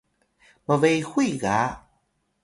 mbehuy ga